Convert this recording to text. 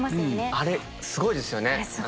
あれすごいですよね。